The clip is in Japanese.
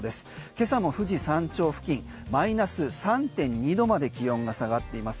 今朝も富士山頂付近マイナス３．２度まで気温が下がっています。